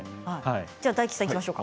大吉さんいきましょうか。